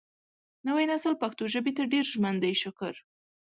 نوی نسل پښتو ژبې ته ډېر ژمن دی شکر